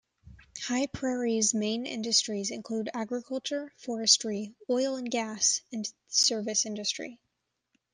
High Prairie's main industries include agriculture, forestry, oil and gas, and service industry.